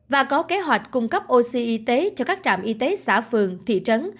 và có kế hoạch cung cấp oxy y tế cho các trạm y tế xã phường thị trấn